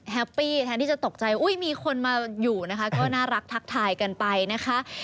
ปี้แทนที่จะตกใจอุ้ยมีคนมาอยู่นะคะก็น่ารักทักทายกันไปนะคะ